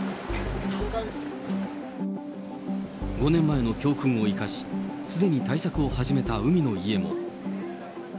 ５年前の教訓を生かし、すでに対策を始めた海の家も。